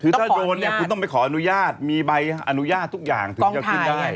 คือถ้าโดนเนี่ยคุณต้องไปขออนุญาตมีใบอนุญาตทุกอย่างถึงจะขึ้นได้